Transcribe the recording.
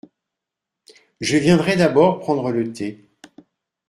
Je viendrai d’abord prendre le thé…